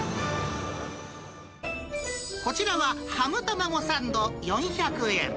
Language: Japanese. こちらはハムたまごサンド４００円。